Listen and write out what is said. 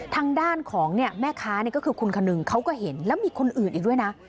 ทางด้านของแม่ค้าก็คือคุณคนึงเขาก็เห็นแล้วมีคนอื่นอีกด้วยนะ